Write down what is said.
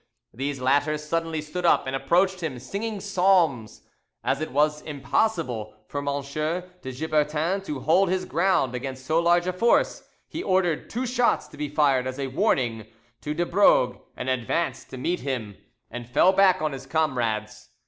These latter suddenly stood up and approached him, singing psalms. As it was impossible for M. de Gibertin to hold his ground against so large a force, he ordered two shots to be fired as a warning to de Brogue to advance to meet him, and fell back on his comrades.